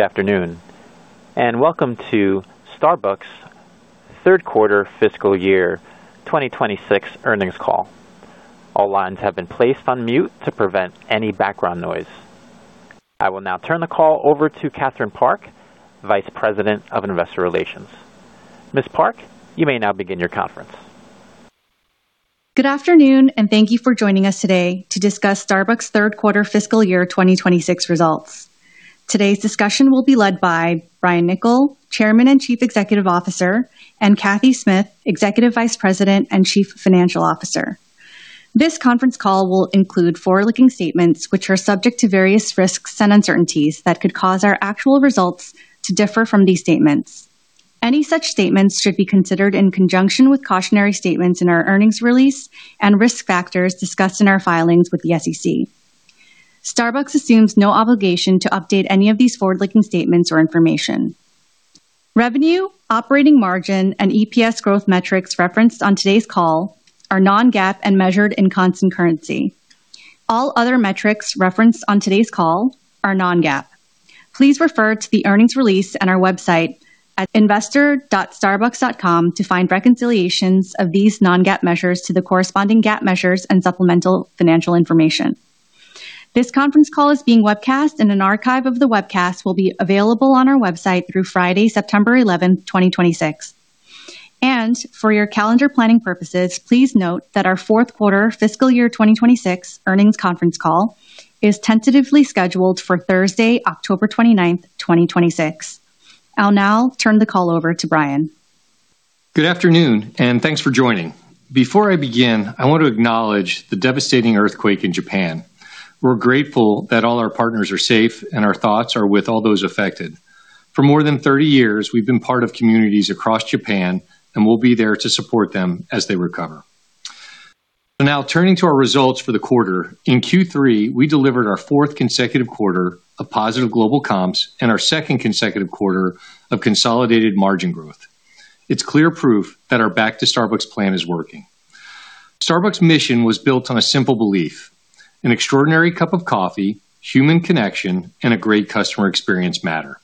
Good afternoon, and welcome to Starbucks' third quarter fiscal year 2026 earnings call. All lines have been placed on mute to prevent any background noise. I will now turn the call over to Catherine Park, Vice President of Investor Relations. Ms. Park, you may now begin your conference. Good afternoon, and thank you for joining us today to discuss Starbucks' third quarter fiscal year 2026 results. Today's discussion will be led by Brian Niccol, Chairman and Chief Executive Officer, and Cathy Smith, Executive Vice President and Chief Financial Officer. This conference call will include forward-looking statements, which are subject to various risks and uncertainties that could cause our actual results to differ from these statements. Any such statements should be considered in conjunction with cautionary statements in our earnings release and risk factors discussed in our filings with the SEC. Starbucks assumes no obligation to update any of these forward-looking statements or information. Revenue, operating margin, and EPS growth metrics referenced on today's call are non-GAAP and measured in constant currency. All other metrics referenced on today's call are non-GAAP. Please refer to the earnings release on our website at investor.starbucks.com to find reconciliations of these non-GAAP measures to the corresponding GAAP measures and supplemental financial information. This conference call is being webcast, and an archive of the webcast will be available on our website through Friday, September 11, 2026. For your calendar planning purposes, please note that our fourth quarter fiscal year 2026 earnings conference call is tentatively scheduled for Thursday, October 29th, 2026. I'll now turn the call over to Brian. Good afternoon, and thanks for joining. Before I begin, I want to acknowledge the devastating earthquake in Japan. We're grateful that all our partners are safe, and our thoughts are with all those affected. For more than 30 years, we've been part of communities across Japan, and we'll be there to support them as they recover. Now turning to our results for the quarter. In Q3, we delivered our fourth consecutive quarter of positive global comps and our second consecutive quarter of consolidated margin growth. It's clear proof that our Back to Starbucks plan is working. Starbucks' mission was built on a simple belief: an extraordinary cup of coffee, human connection, and a great customer experience matter.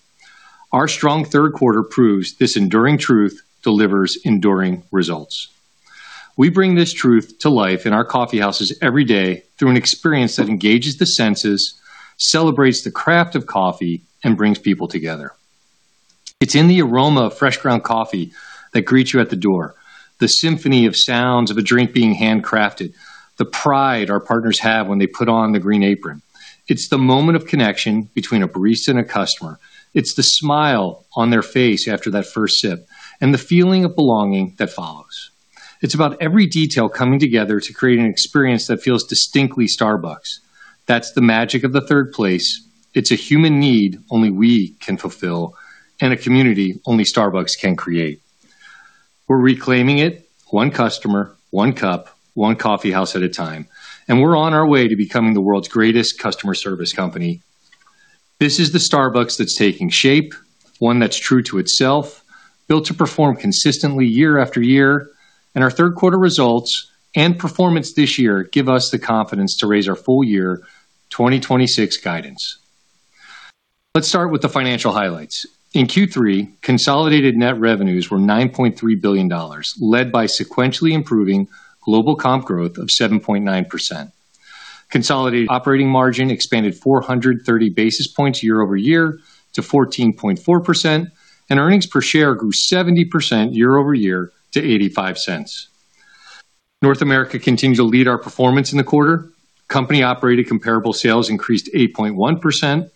Our strong third quarter proves this enduring truth delivers enduring results. We bring this truth to life in our coffeehouses every day through an experience that engages the senses, celebrates the craft of coffee, and brings people together. It's in the aroma of fresh ground coffee that greets you at the door, the symphony of sounds of a drink being handcrafted, the pride our partners have when they put on the Green Apron Service. It's the moment of connection between a barista and a customer. It's the smile on their face after that first sip and the feeling of belonging that follows. It's about every detail coming together to create an experience that feels distinctly Starbucks. That's the magic of the third place. It's a human need only we can fulfill and a community only Starbucks can create. We're reclaiming it, one customer, one cup, one coffeehouse at a time, we're on our way to becoming the world's greatest customer service company. This is the Starbucks that's taking shape, one that's true to itself, built to perform consistently year after year, our third quarter results and performance this year give us the confidence to raise our full year 2026 guidance. Let's start with the financial highlights. In Q3, consolidated net revenues were $9.3 billion, led by sequentially improving global comp growth of 7.9%. Consolidated operating margin expanded 430 basis points year-over-year to 14.4%, earnings per share grew 70% year-over-year to $0.85. North America continued to lead our performance in the quarter. Company-operated comparable sales increased 8.1%,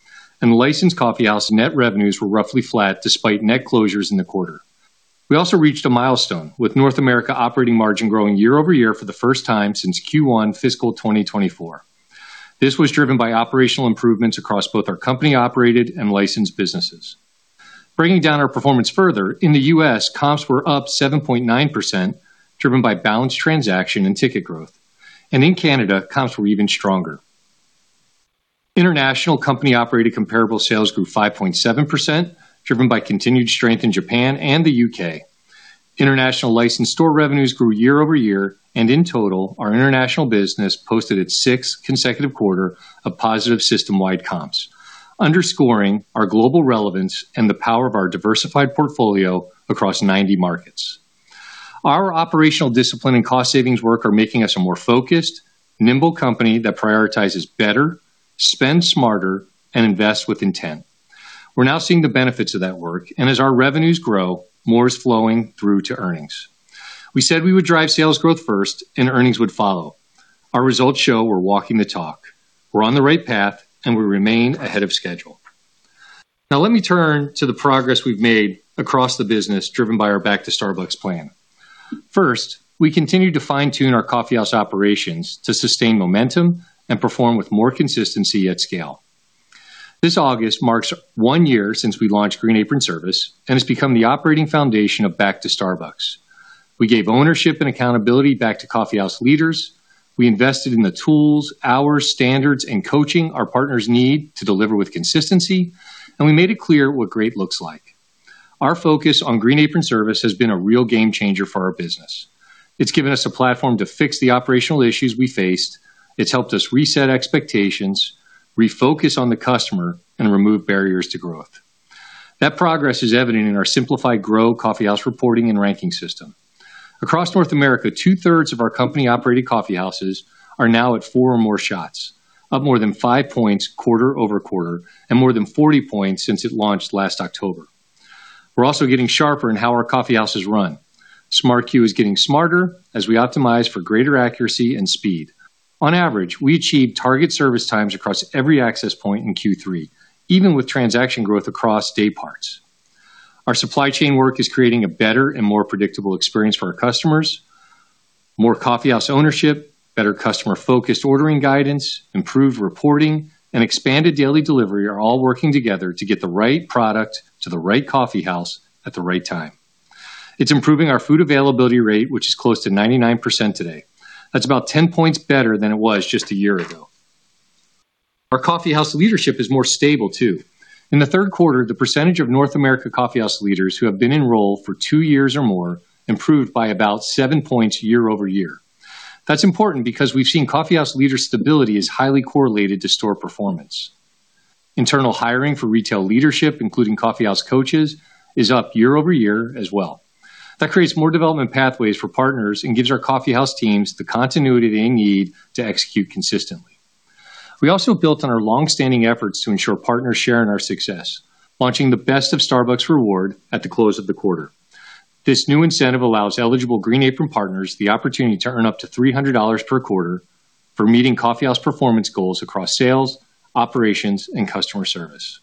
licensed coffeehouse net revenues were roughly flat despite net closures in the quarter. We also reached a milestone, with North America operating margin growing year-over-year for the first time since Q1 fiscal 2024. This was driven by operational improvements across both our company-operated and licensed businesses. Breaking down our performance further, in the U.S., comps were up 7.9%, driven by balanced transaction and ticket growth. In Canada, comps were even stronger. International company-operated comparable sales grew 5.7%, driven by continued strength in Japan and the U.K. International licensed store revenues grew year-over-year, in total, our international business posted its six consecutive quarter of positive systemwide comps, underscoring our global relevance and the power of our diversified portfolio across 90 markets. Our operational discipline and cost savings work are making us a more focused, nimble company that prioritizes better, spends smarter, and invests with intent. We're now seeing the benefits of that work, as our revenues grow, more is flowing through to earnings. We said we would drive sales growth first and earnings would follow. Our results show we're walking the talk. We're on the right path, we remain ahead of schedule. Let me turn to the progress we've made across the business, driven by our Back to Starbucks plan. First, we continue to fine-tune our coffeehouse operations to sustain momentum and perform with more consistency at scale. This August marks one year since we launched Green Apron Service and has become the operating foundation of Back to Starbucks. We gave ownership and accountability back to coffeehouse leaders. We invested in the tools, hours, standards, and coaching our partners need to deliver with consistency, we made it clear what great looks like. Our focus on Green Apron Service has been a real game changer for our business. It's given us a platform to fix the operational issues we faced, it's helped us reset expectations, refocus on the customer, and remove barriers to growth. That progress is evident in our simplified GROW coffeehouse reporting and ranking system. Across North America, two-thirds of our company-operated coffeehouses are now at four or more shots, up more than 5 points quarter-over-quarter, and more than 40 points since it launched last October. We're also getting sharper in how our coffeehouse is run. Smart Queue is getting smarter as we optimize for greater accuracy and speed. On average, we achieve target service times across every access point in Q3, even with transaction growth across day parts. Our supply chain work is creating a better and more predictable experience for our customers. More coffeehouse ownership, better customer-focused ordering guidance, improved reporting, and expanded daily delivery are all working together to get the right product to the right coffeehouse at the right time. It's improving our food availability rate, which is close to 99% today. That's about 10 points better than it was just a year ago. Our coffeehouse leadership is more stable, too. In the third quarter, the percentage of North America coffeehouse leaders who have been enrolled for TWO years or more improved by about 7 points year-over-year. That's important because we've seen coffeehouse leader stability is highly correlated to store performance. Internal hiring for retail leadership, including coffeehouse coaches, is up year-over-year as well. That creates more development pathways for partners and gives our coffeehouse teams the continuity they need to execute consistently. We also built on our long-standing efforts to ensure partners share in our success, launching the Best of Starbucks Reward at the close of the quarter. This new incentive allows eligible Green Apron partners the opportunity to earn up to $300 per quarter for meeting coffeehouse performance goals across sales, operations, and customer service.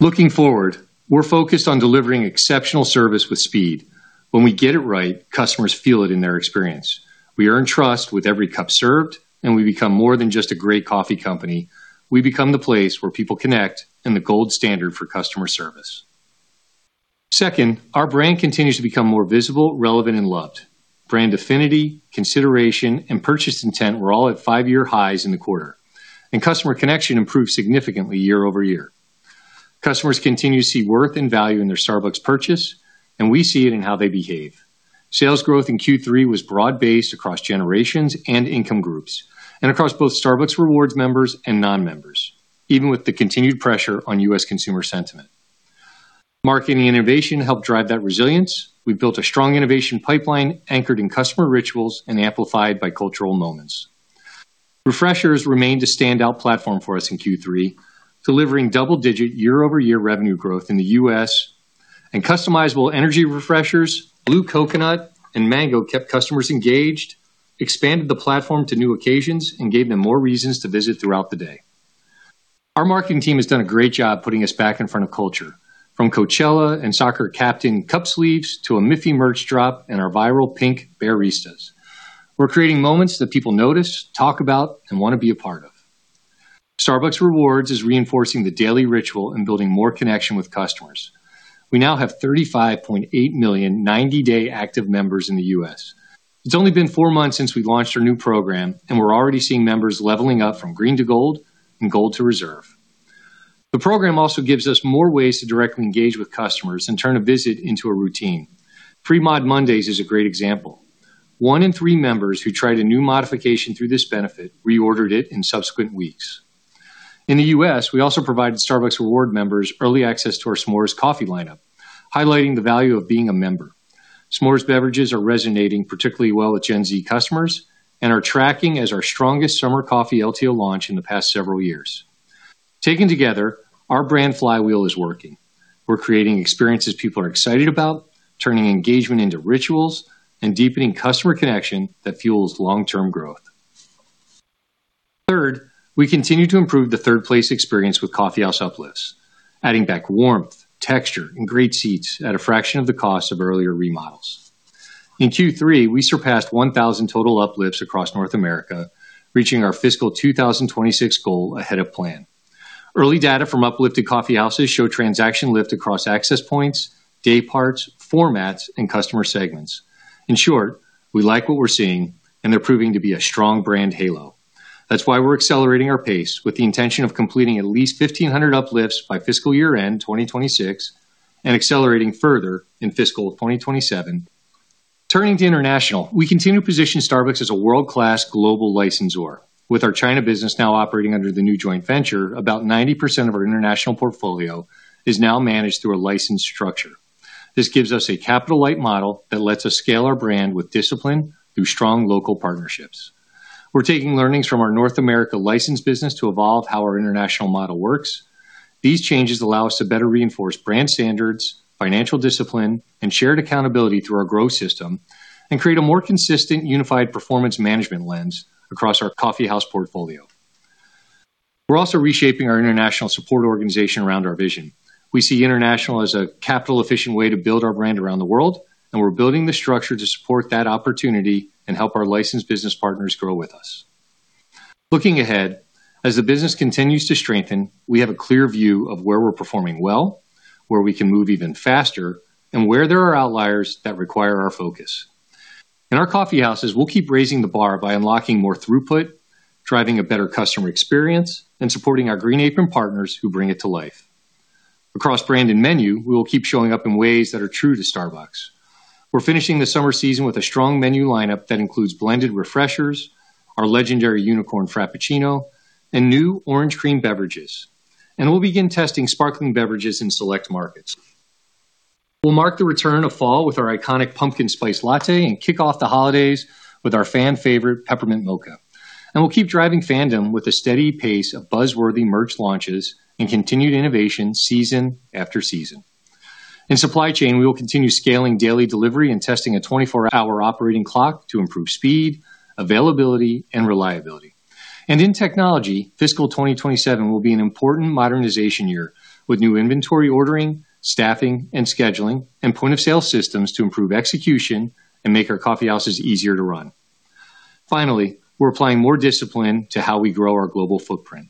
Looking forward, we're focused on delivering exceptional service with speed. When we get it right, customers feel it in their experience. We earn trust with every cup served, and we become more than just a great coffee company. We become the place where people connect and the gold standard for customer service. Second, our brand continues to become more visible, relevant, and loved. Brand affinity, consideration, and purchase intent were all at five year highs in the quarter, and customer connection improved significantly year-over-year. Customers continue to see worth and value in their Starbucks purchase. We see it in how they behave. Sales growth in Q3 was broad-based across generations and income groups, and across both Starbucks Rewards members and non-members, even with the continued pressure on U.S. consumer sentiment. Marketing innovation helped drive that resilience. We built a strong innovation pipeline anchored in customer rituals and amplified by cultural moments. Refreshers remained a standout platform for us in Q3, delivering double-digit year-over-year revenue growth in the U.S., and customizable energy refreshers, blue coconut, and mango kept customers engaged, expanded the platform to new occasions, and gave them more reasons to visit throughout the day. Our marketing team has done a great job putting us back in front of culture, from Coachella and soccer captain cup sleeves to a Miffy merch drop and our viral Pink Bearistas. We're creating moments that people notice, talk about, and want to be a part of. Starbucks Rewards is reinforcing the daily ritual and building more connection with customers. We now have 35.8 million 90-day active members in the U.S. It's only been four months since we launched our new program, we're already seeing members leveling up from green to gold and gold to reserve. The program also gives us more ways to directly engage with customers and turn a visit into a routine. Free Mod Mondays is a great example. One in three members who tried a new modification through this benefit reordered it in subsequent weeks. In the U.S., we also provided Starbucks Rewards members early access to our S'mores coffee lineup, highlighting the value of being a member. S'mores beverages are resonating particularly well with Gen Z customers and are tracking as our strongest summer coffee LTO launch in the past several years. Taken together, our brand flywheel is working. We're creating experiences people are excited about, turning engagement into rituals, and deepening customer connection that fuels long-term growth. Third, we continue to improve the third place experience with coffeehouse uplifts, adding back warmth, texture, and great seats at a fraction of the cost of earlier remodels. In Q3, we surpassed 1,000 total uplifts across North America, reaching our fiscal 2026 goal ahead of plan. Early data from uplifted coffeehouses show transaction lift across access points, day parts, formats, and customer segments. In short, we like what we're seeing they're proving to be a strong brand halo. That's why we're accelerating our pace with the intention of completing at least 1,500 uplifts by fiscal 2026 and accelerating further in fiscal 2027. Turning to international, we continue to position Starbucks as a world-class global licensor. With our China business now operating under the new joint venture, about 90% of our international portfolio is now managed through a licensed structure. This gives us a capital-light model that lets us scale our brand with discipline through strong local partnerships. We're taking learnings from our North America license business to evolve how our international model works. These changes allow us to better reinforce brand standards, financial discipline, and shared accountability through our growth system and create a more consistent, unified performance management lens across our coffeehouse portfolio. We're also reshaping our international support organization around our vision. We see international as a capital-efficient way to build our brand around the world, we're building the structure to support that opportunity and help our licensed business partners grow with us. Looking ahead, as the business continues to strengthen, we have a clear view of where we're performing well, where we can move even faster, and where there are outliers that require our focus. In our coffeehouses, we'll keep raising the bar by unlocking more throughput, driving a better customer experience, and supporting our green apron partners who bring it to life. Across brand and menu, we will keep showing up in ways that are true to Starbucks. We're finishing the summer season with a strong menu lineup that includes blended refreshers, our legendary Unicorn Frappuccino, and new orange cream beverages. We'll begin testing sparkling beverages in select markets. We'll mark the return of fall with our iconic Pumpkin Spice Latte and kick off the holidays with our fan favorite Peppermint Mocha. We'll keep driving fandom with a steady pace of buzz-worthy merch launches and continued innovation season after season. In supply chain, we will continue scaling daily delivery and testing a 24-hour operating clock to improve speed, availability, and reliability. In technology, fiscal 2027 will be an important modernization year with new inventory ordering, staffing, and scheduling, and point-of-sale systems to improve execution and make our coffeehouses easier to run. Finally, we're applying more discipline to how we grow our global footprint.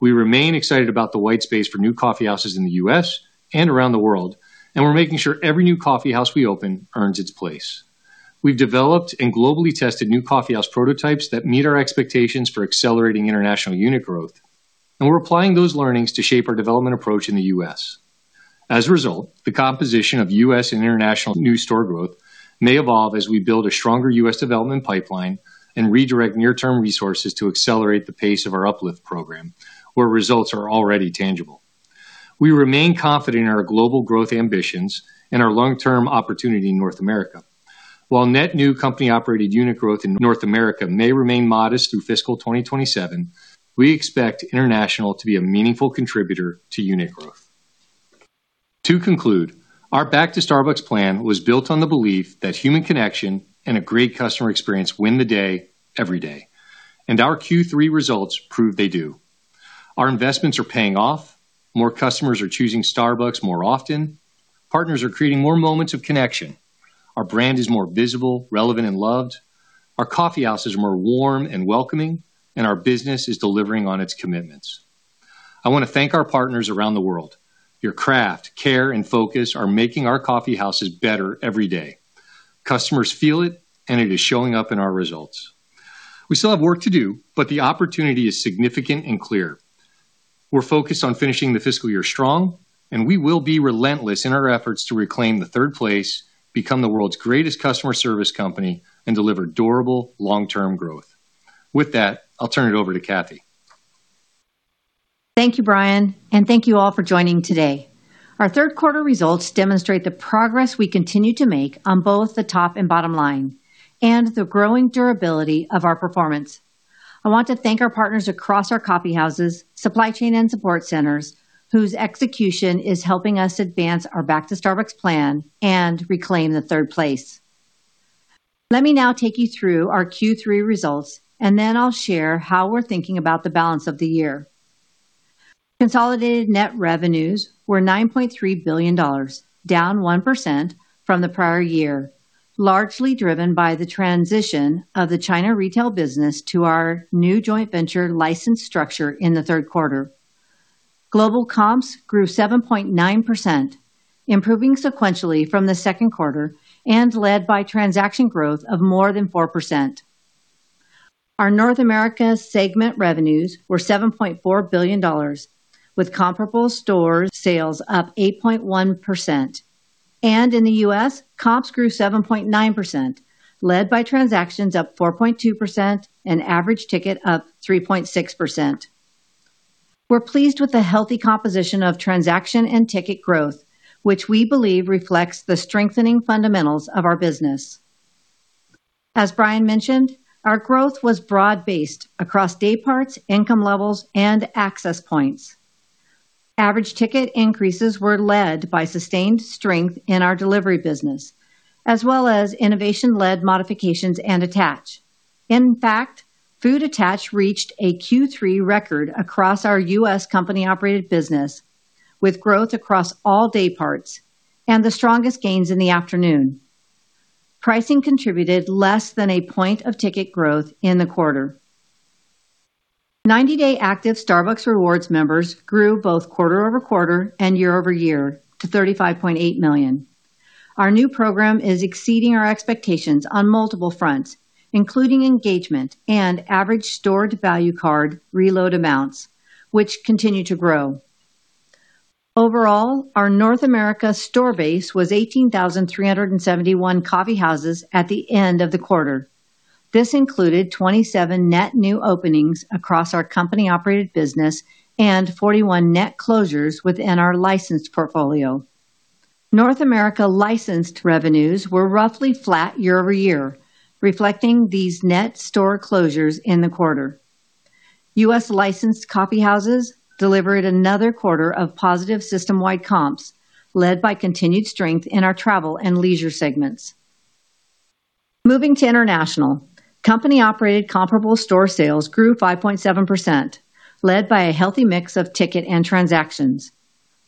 We remain excited about the white space for new coffeehouses in the U.S. and around the world, and we're making sure every new coffeehouse we open earns its place. We've developed and globally tested new coffeehouse prototypes that meet our expectations for accelerating international unit growth, and we're applying those learnings to shape our development approach in the U.S. As a result, the composition of U.S. and international new store growth may evolve as we build a stronger U.S. development pipeline and redirect near-term resources to accelerate the pace of our uplift program, where results are already tangible. We remain confident in our global growth ambitions and our long-term opportunity in North America. While net new company-operated unit growth in North America may remain modest through fiscal 2027, we expect international to be a meaningful contributor to unit growth. To conclude, our Back to Starbucks plan was built on the belief that human connection and a great customer experience win the day every day. Our Q3 results prove they do. Our investments are paying off. More customers are choosing Starbucks more often. Partners are creating more moments of connection. Our brand is more visible, relevant, and loved. Our coffeehouses are more warm and welcoming. Our business is delivering on its commitments. I want to thank our partners around the world. Your craft, care, and focus are making our coffeehouses better every day. Customers feel it. It is showing up in our results. We still have work to do, but the opportunity is significant and clear. We're focused on finishing the fiscal year strong, and we will be relentless in our efforts to reclaim the third place, become the world's greatest customer service company, and deliver durable long-term growth. With that, I'll turn it over to Cathy. Thank you, Brian, and thank you all for joining today. Our third quarter results demonstrate the progress we continue to make on both the top and bottom line and the growing durability of our performance. I want to thank our partners across our coffeehouses, supply chain, and support centers, whose execution is helping us advance our Back to Starbucks plan and reclaim the third place. Let me now take you through our Q3 results. Then I'll share how we're thinking about the balance of the year. Consolidated net revenues were $9.3 billion, down 1% from the prior year, largely driven by the transition of the China retail business to our new joint venture license structure in the third quarter. Global comps grew 7.9%, improving sequentially from the second quarter and led by transaction growth of more than 4%. Our North America segment revenues were $7.4 billion, with comparable store sales up 8.1%. In the U.S., comps grew 7.9%, led by transactions up 4.2% and average ticket up 3.6%. We're pleased with the healthy composition of transaction and ticket growth, which we believe reflects the strengthening fundamentals of our business. As Brian mentioned, our growth was broad-based across day parts, income levels, and access points. Average ticket increases were led by sustained strength in our delivery business, as well as innovation-led modifications and attach. In fact, food attach reached a Q3 record across our U.S. company-operated business, with growth across all day parts and the strongest gains in the afternoon. Pricing contributed less than a point of ticket growth in the quarter. 90-day active Starbucks Rewards members grew both quarter-over-quarter and year-over-year to 35.8 million. Our new program is exceeding our expectations on multiple fronts, including engagement and average stored value card reload amounts, which continue to grow. Overall, our North America store base was 18,371 coffee houses at the end of the quarter. This included 27 net new openings across our company-operated business and 41 net closures within our licensed portfolio. North America licensed revenues were roughly flat year-over-year, reflecting these net store closures in the quarter. U.S. licensed coffee houses delivered another quarter of positive system-wide comps, led by continued strength in our travel and leisure segments. Moving to international, company-operated comparable store sales grew 5.7%, led by a healthy mix of ticket and transactions.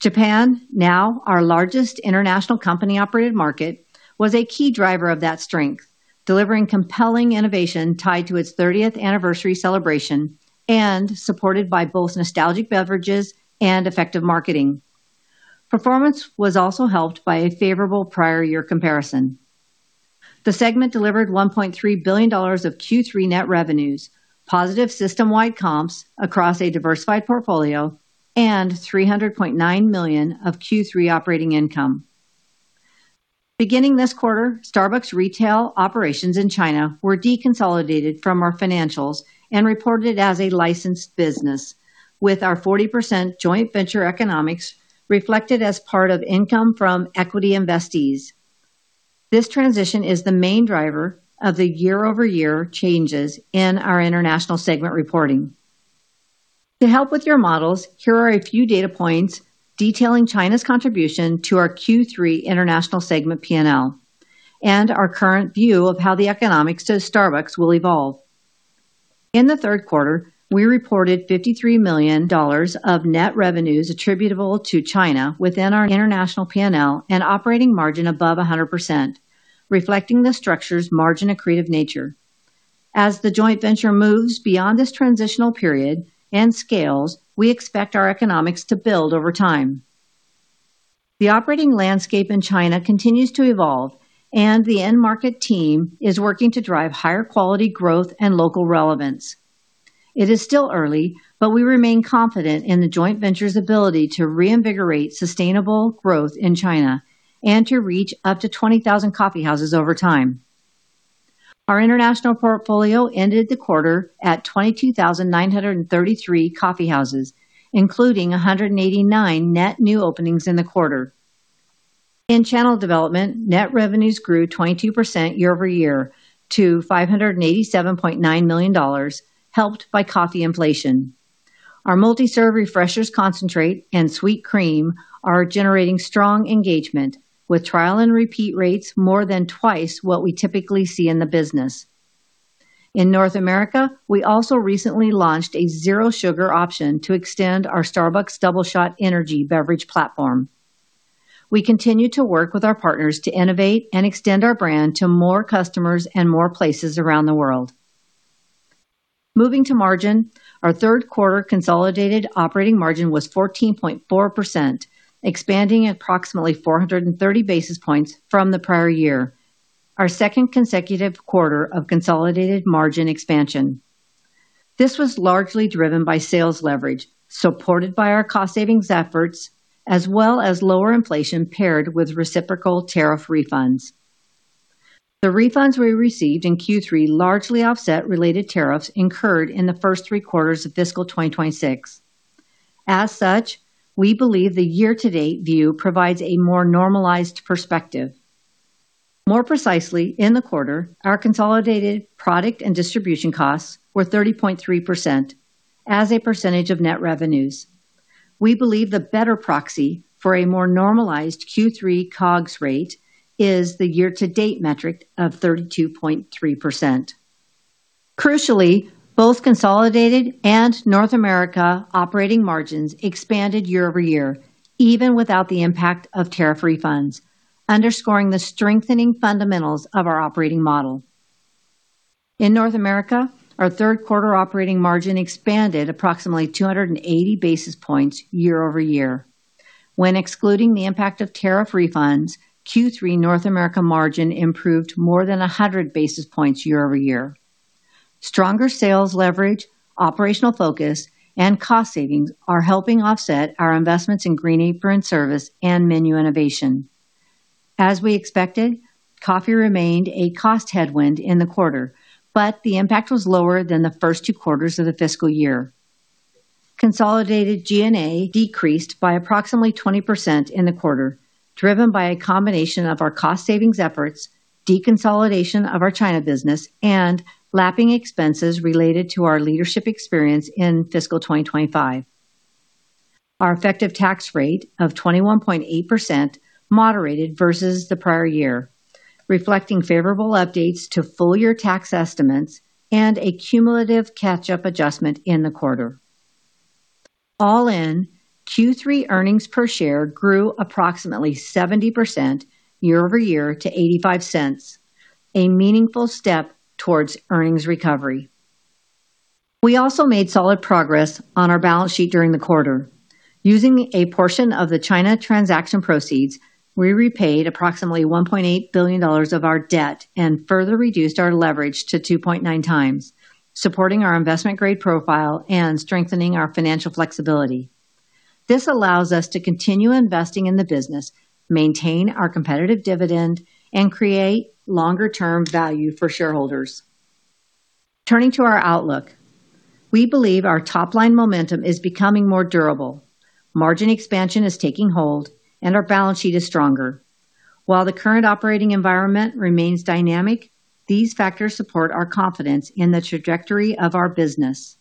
Japan, now our largest international company-operated market, was a key driver of that strength, delivering compelling innovation tied to its 30th anniversary celebration and supported by both nostalgic beverages and effective marketing. Performance was also helped by a favorable prior year comparison. The segment delivered $1.3 billion of Q3 net revenues, positive system-wide comps across a diversified portfolio, and $300.9 million of Q3 operating income. Beginning this quarter, Starbucks retail operations in China were deconsolidated from our financials and reported as a licensed business with our 40% joint venture economics reflected as part of income from equity investees. This transition is the main driver of the year-over-year changes in our international segment reporting. To help with your models, here are a few data points detailing China's contribution to our Q3 international segment P&L and our current view of how the economics to Starbucks will evolve. In the third quarter, we reported $53 million of net revenues attributable to China within our international P&L and operating margin above 100%, reflecting the structure's margin accretive nature. As the joint venture moves beyond this transitional period and scales, we expect our economics to build over time. The operating landscape in China continues to evolve and the end market team is working to drive higher quality growth and local relevance. It is still early, but we remain confident in the joint venture's ability to reinvigorate sustainable growth in China and to reach up to 20,000 coffee houses over time. Our international portfolio ended the quarter at 22,933 coffee houses, including 189 net new openings in the quarter. In channel development, net revenues grew 22% year-over-year to $587.9 million, helped by coffee inflation. Our multi-serve Refreshers concentrate and sweet cream are generating strong engagement with trial and repeat rates more than twice what we typically see in the business. In North America, we also recently launched a zero sugar option to extend our Starbucks Doubleshot energy beverage platform. We continue to work with our partners to innovate and extend our brand to more customers and more places around the world. Moving to margin. Our third quarter consolidated operating margin was 14.4%, expanding approximately 430 basis points from the prior year, our second consecutive quarter of consolidated margin expansion. This was largely driven by sales leverage, supported by our cost savings efforts, as well as lower inflation paired with reciprocal tariff refunds. The refunds we received in Q3 largely offset related tariffs incurred in the first three quarters of fiscal 2026. As such, we believe the year-to-date view provides a more normalized perspective. More precisely, in the quarter, our consolidated product and distribution costs were 30.3% as a percentage of net revenues. We believe the better proxy for a more normalized Q3 COGS rate is the year-to-date metric of 32.3%. Crucially, both consolidated and North America operating margins expanded year-over-year, even without the impact of tariff refunds, underscoring the strengthening fundamentals of our operating model. In North America, our third quarter operating margin expanded approximately 280 basis points year-over-year. When excluding the impact of tariff refunds, Q3 North America margin improved more than 100 basis points year-over-year. Stronger sales leverage, operational focus, and cost savings are helping offset our investments in Green Apron Service and menu innovation. As we expected, coffee remained a cost headwind in the quarter, but the impact was lower than the first two quarters of the fiscal year. Consolidated G&A decreased by approximately 20% in the quarter, driven by a combination of our cost savings efforts, deconsolidation of our China business, and lapping expenses related to our leadership experience in fiscal 2025. Our effective tax rate of 21.8% moderated versus the prior year, reflecting favorable updates to full-year tax estimates and a cumulative catch-up adjustment in the quarter. Q3 earnings per share grew approximately 70% year-over-year to $0.85, a meaningful step towards earnings recovery. We also made solid progress on our balance sheet during the quarter. Using a portion of the China transaction proceeds, we repaid approximately $1.8 billion of our debt and further reduced our leverage to 2.9x, supporting our investment-grade profile and strengthening our financial flexibility. This allows us to continue investing in the business, maintain our competitive dividend, and create longer-term value for shareholders. Turning to our outlook. We believe our top-line momentum is becoming more durable. Margin expansion is taking hold, and our balance sheet is stronger. While the current operating environment remains dynamic, these factors support our confidence in the trajectory of our business.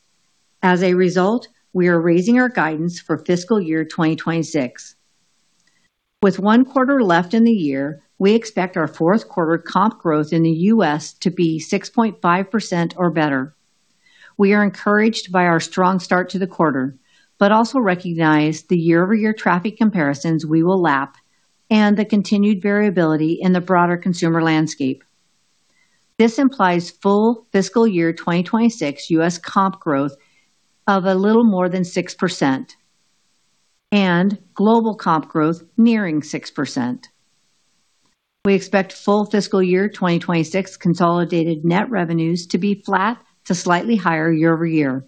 As a result, we are raising our guidance for fiscal year 2026. With one quarter left in the year, we expect our fourth quarter comp growth in the U.S. to be 6.5% or better. We are encouraged by our strong start to the quarter, also recognize the year-over-year traffic comparisons we will lap and the continued variability in the broader consumer landscape. This implies full fiscal year 2026 U.S. comp growth of a little more than 6%, and global comp growth nearing 6%. We expect full fiscal year 2026 consolidated net revenues to be flat to slightly higher year-over-year,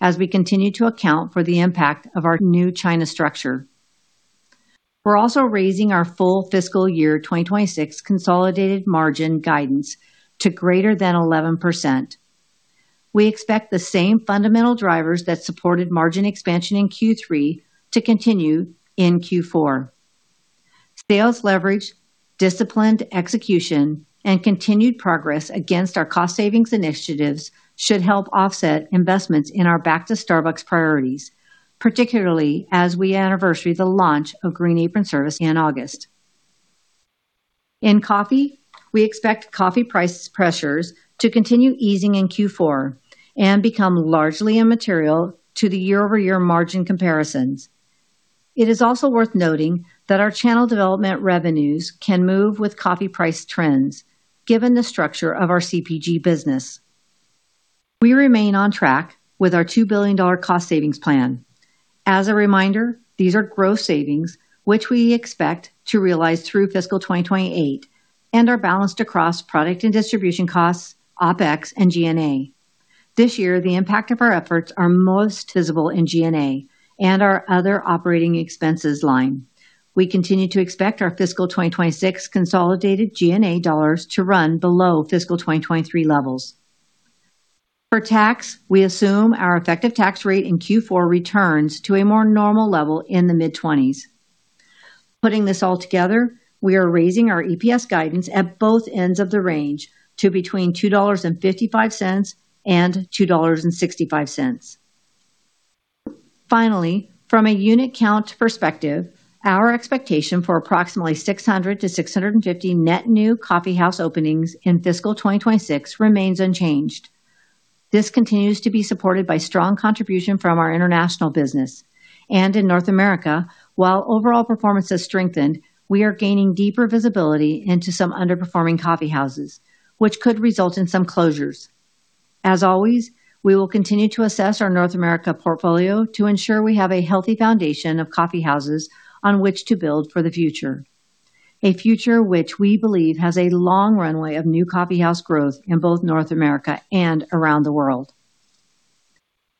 as we continue to account for the impact of our new China structure. We are also raising our full fiscal year 2026 consolidated margin guidance to greater than 11%. We expect the same fundamental drivers that supported margin expansion in Q3 to continue in Q4. Sales leverage, disciplined execution, and continued progress against our cost savings initiatives should help offset investments in our Back to Starbucks priorities, particularly as we anniversary the launch of Green Apron Service in August. In coffee, we expect coffee price pressures to continue easing in Q4 and become largely immaterial to the year-over-year margin comparisons. It is also worth noting that our channel development revenues can move with coffee price trends, given the structure of our CPG business. We remain on track with our $2 billion cost savings plan. As a reminder, these are gross savings, which we expect to realize through fiscal 2028 and are balanced across product and distribution costs, OpEx, and G&A. This year, the impact of our efforts are most visible in G&A and our other operating expenses line. We continue to expect our fiscal 2026 consolidated G&A dollars to run below fiscal 2023 levels. For tax, we assume our effective tax rate in Q4 returns to a more normal level in the mid-20s. Putting this all together, we are raising our EPS guidance at both ends of the range to between $2.55 and $2.65. Finally, from a unit count perspective, our expectation for approximately 600 to 650 net new coffee house openings in fiscal 2026 remains unchanged. This continues to be supported by strong contribution from our international business. In North America, while overall performance has strengthened, we are gaining deeper visibility into some underperforming coffee houses, which could result in some closures. As always, we will continue to assess our North America portfolio to ensure we have a healthy foundation of coffee houses on which to build for the future, a future which we believe has a long runway of new coffee house growth in both North America and around the world.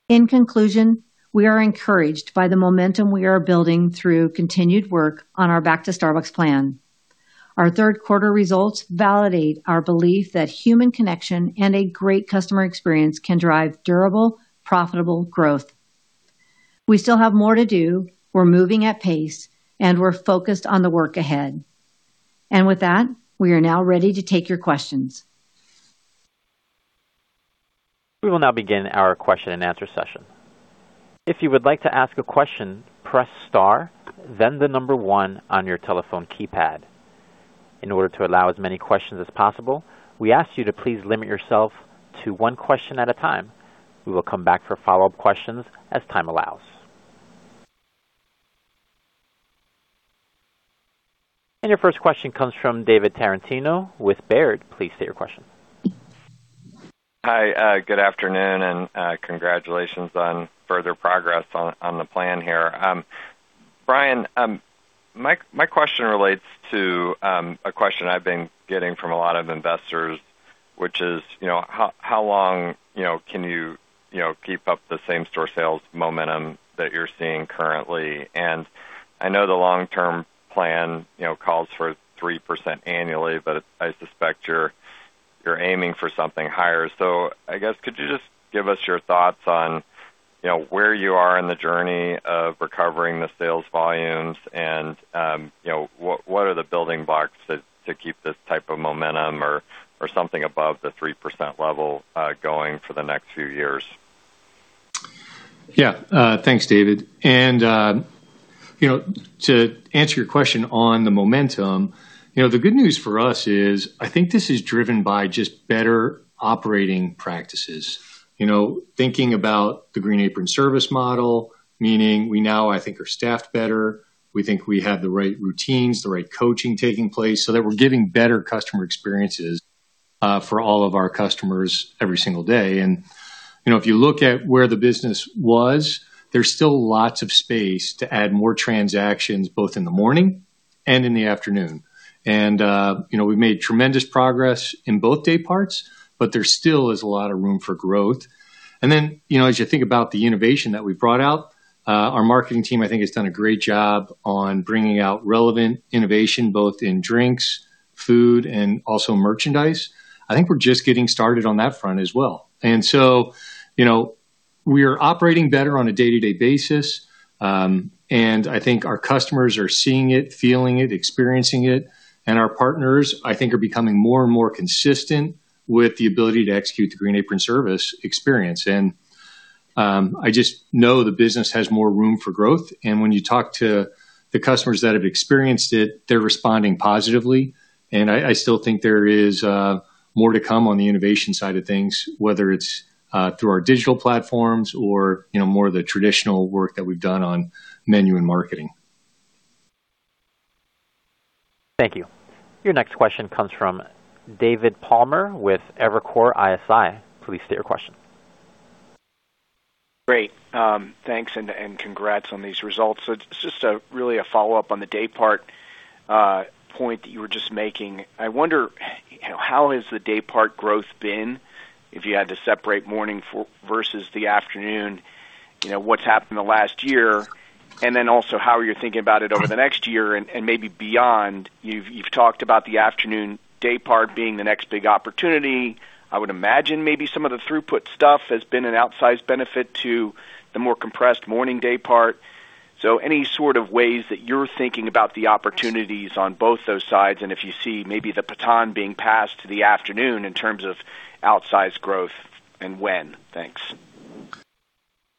In conclusion, we are encouraged by the momentum we are building through continued work on our Back to Starbucks plan. Our third quarter results validate our belief that human connection and a great customer experience can drive durable, profitable growth. We still have more to do. We're moving at pace, we are focused on the work ahead. With that, we are now ready to take your questions. Your first question comes from David Tarantino with Baird. Please state your question. Hi. Good afternoon, and congratulations on further progress on the plan here. Brian, my question relates to a question I've been getting from a lot of investors, which is, how long can you keep up the same store sales momentum that you're seeing currently? I know the long-term plan calls for 3% annually, but I suspect you're aiming for something higher. I guess could you just give us your thoughts on where you are in the journey of recovering the sales volumes and what are the building blocks to keep this type of momentum or something above the 3% level going for the next few years? Yeah. Thanks, David. To answer your question on the momentum, the good news for us is, I think this is driven by just better operating practices. Thinking about the Green Apron Service model, meaning we now, I think, are staffed better. We think we have the right routines, the right coaching taking place, so that we're giving better customer experiences for all of our customers every single day. If you look at where the business was, there's still lots of space to add more transactions both in the morning and in the afternoon. We've made tremendous progress in both day parts, but there still is a lot of room for growth. As you think about the innovation that we've brought out, our marketing team, I think, has done a great job on bringing out relevant innovation, both in drinks, food, and also merchandise. I think we're just getting started on that front as well. We are operating better on a day-to-day basis. I think our customers are seeing it, feeling it, experiencing it. Our partners, I think, are becoming more and more consistent with the ability to execute the Green Apron Service experience. I just know the business has more room for growth. When you talk to the customers that have experienced it, they're responding positively. I still think there is more to come on the innovation side of things, whether it's through our digital platforms or more of the traditional work that we've done on menu and marketing. Thank you. Your next question comes from David Palmer with Evercore ISI. Please state your question. Great. Thanks, and congrats on these results. It's just really a follow-up on the day part point that you were just making. I wonder, how has the day part growth been, if you had to separate morning versus the afternoon, what's happened in the last year? And then also, how are you thinking about it over the next year and maybe beyond? You've talked about the afternoon day part being the next big opportunity. I would imagine maybe some of the throughput stuff has been an outsized benefit to the more compressed morning day part. Any sort of ways that you're thinking about the opportunities on both those sides, and if you see maybe the baton being passed to the afternoon in terms of outsized growth, and when? Thanks.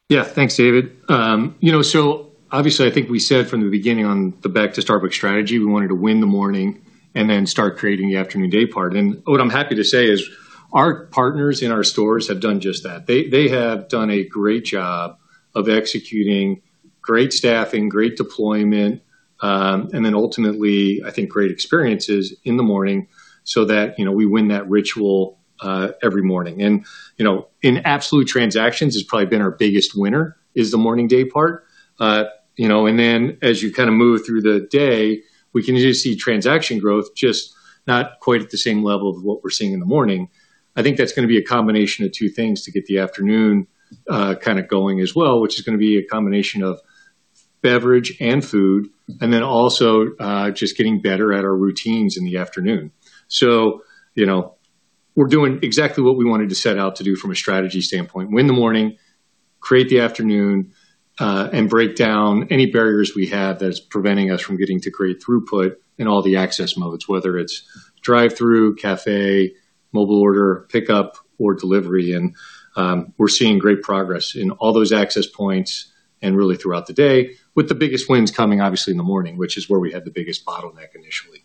Yeah. Thanks, David. Obviously, I think we said from the beginning on the Back to Starbucks strategy, we wanted to win the morning and then start creating the afternoon day part. What I'm happy to say is our partners in our stores have done just that. They have done a great job of executing great staffing, great deployment, and then ultimately, I think great experiences in the morning so that we win that ritual every morning. In absolute transactions, it's probably been our biggest winner, is the morning day part. Then as you kind of move through the day, we continue to see transaction growth, just not quite at the same level of what we're seeing in the morning. I think that's going to be a combination of two things to get the afternoon going as well, which is going to be a combination of beverage and food, then also, just getting better at our routines in the afternoon. We're doing exactly what we wanted to set out to do from a strategy standpoint. Win the morning, create the afternoon, break down any barriers we have that's preventing us from getting to great throughput in all the access modes, whether it's drive-through, cafe, mobile order, pickup, or delivery. We're seeing great progress in all those access points, and really throughout the day, with the biggest wins coming obviously in the morning, which is where we had the biggest bottleneck initially.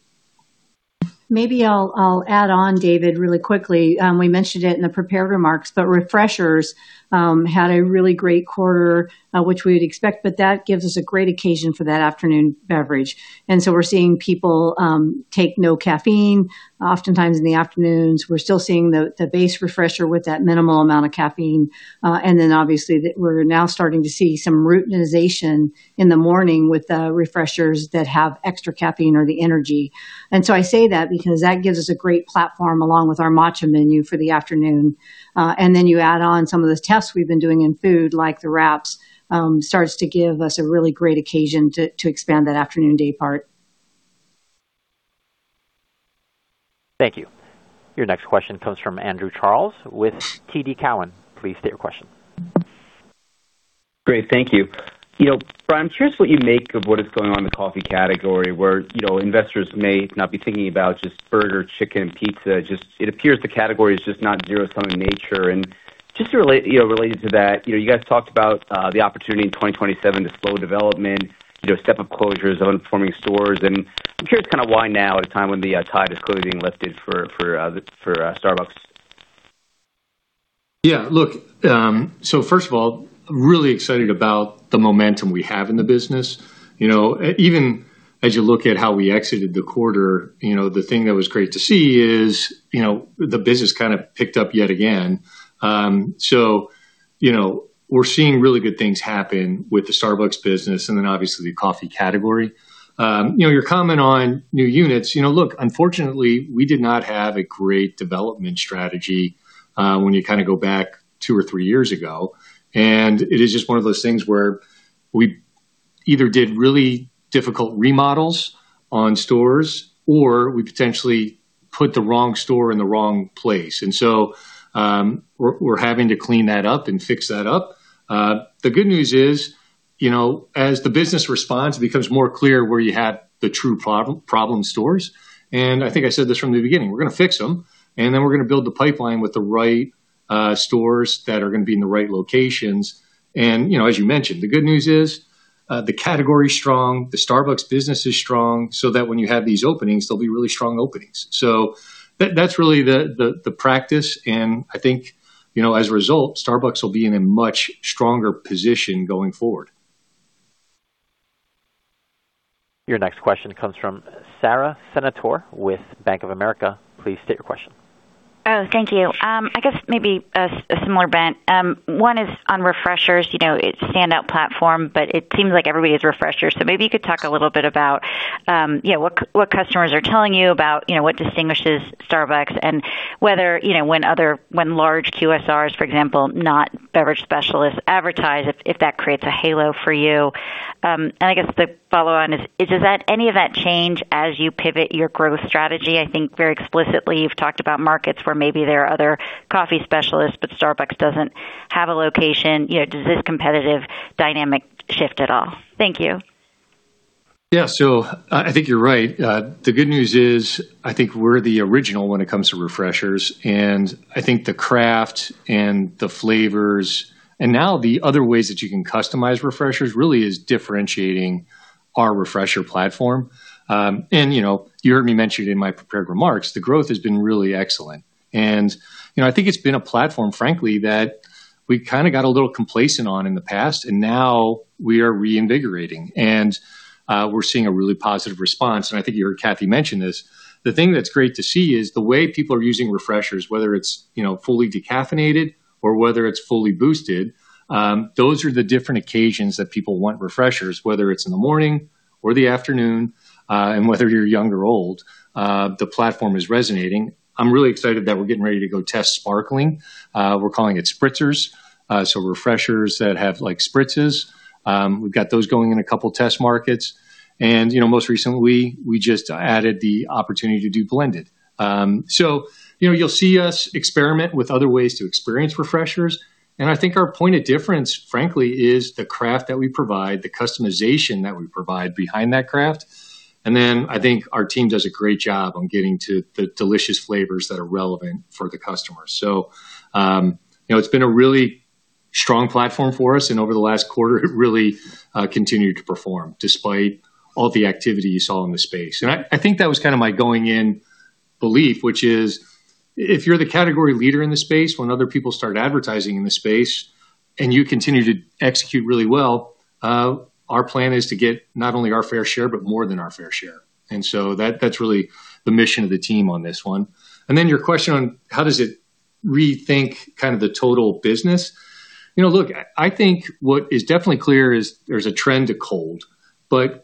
Maybe I'll add on, David, really quickly. We mentioned it in the prepared remarks, Refreshers had a really great quarter, which we would expect, that gives us a great occasion for that afternoon beverage. We're seeing people take no caffeine oftentimes in the afternoons. We're still seeing the base Refresher with that minimal amount of caffeine. Obviously, we're now starting to see some routinization in the morning with the Refreshers that have extra caffeine or the energy. I say that because that gives us a great platform along with our matcha menu for the afternoon. You add on some of the tests we've been doing in food, like the wraps, starts to give us a really great occasion to expand that afternoon day part. Thank you. Your next question comes from Andrew Charles with TD Cowen. Please state your question. Great. Thank you. Brian, I'm curious what you make of what is going on in the coffee category, where investors may not be thinking about just burger, chicken, and pizza. It appears the category is just not zero sum in nature. Just related to that, you guys talked about the opportunity in 2027 to slow development, step-up closures of underperforming stores. I'm curious kind of why now is the time when the tide is clearly being lifted for Starbucks. Yeah, look, first of all, really excited about the momentum we have in the business. Even as you look at how we exited the quarter, the thing that was great to see is the business kind of picked up yet again. We're seeing really good things happen with the Starbucks business, and then obviously the coffee category. Your comment on new units, look, unfortunately, we did not have a great development strategy, when you kind of go back two or three years ago. It is just one of those things where we either did really difficult remodels on stores or we potentially put the wrong store in the wrong place. We're having to clean that up and fix that up. The good news is, as the business responds, it becomes more clear where you have the true problem stores. I think I said this from the beginning, we're going to fix them, then we're going to build the pipeline with the right stores that are going to be in the right locations. As you mentioned, the good news is, the category's strong, the Starbucks business is strong, that when you have these openings, they'll be really strong openings. That's really the practice, I think, as a result, Starbucks will be in a much stronger position going forward. Your next question comes from Sara Senatore with Bank of America. Please state your question. Oh, thank you. I guess maybe a similar bent. One is on Starbucks Refreshers. It's a standout platform, but it seems like everybody has Starbucks Refreshers. Maybe you could talk a little bit about what customers are telling you about what distinguishes Starbucks and whether when large QSRs, for example, not beverage specialists advertise, if that creates a halo for you. I guess the follow on is, does any of that change as you pivot your growth strategy? I think very explicitly, you've talked about markets where maybe there are other coffee specialists, but Starbucks doesn't have a location. Does this competitive dynamic shift at all? Thank you. Yeah. I think you're right. The good news is, I think we're the original when it comes to Starbucks Refreshers, and I think the craft and the flavors, and now the other ways that you can customize Starbucks Refreshers really is differentiating our Starbucks Refresher platform. You heard me mention it in my prepared remarks, the growth has been really excellent. I think it's been a platform, frankly, that we kind of got a little complacent on in the past, and now we are reinvigorating. We're seeing a really positive response. I think you heard Cathy mention this. The thing that's great to see is the way people are using Starbucks Refreshers, whether it's fully decaffeinated or whether it's fully boosted, those are the different occasions that people want Starbucks Refreshers, whether it's in the morning or the afternoon, and whether you're young or old, the platform is resonating. I'm really excited that we're getting ready to go test sparkling. We're calling it Spritzers. Starbucks Refreshers that have Spritzers. We've got those going in a couple of test markets. Most recently, we just added the opportunity to do blended. You'll see us experiment with other ways to experience Starbucks Refreshers. I think our point of difference, frankly, is the craft that we provide, the customization that we provide behind that craft. I think our team does a great job on getting to the delicious flavors that are relevant for the customer. It's been a really strong platform for us, and over the last quarter, really continued to perform despite all the activity you saw in the space. I think that was my going in belief, which is, if you're the category leader in the space, when other people start advertising in the space, you continue to execute really well, our plan is to get not only our fair share, but more than our fair share. That's really the mission of the team on this one. Your question on how does it rethink the total business. Look, I think what is definitely clear is there's a trend to cold.